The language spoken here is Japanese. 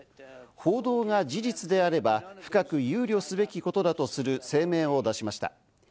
報道が事実であれば深く憂慮すべきことだとする声明を出しました。